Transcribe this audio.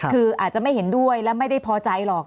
คืออาจจะไม่เห็นด้วยและไม่ได้พอใจหรอก